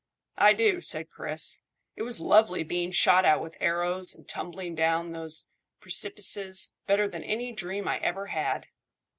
"I do," said Chris. "It was lovely being shot at with arrows and tumbling down those precipices, better than any dream I ever had."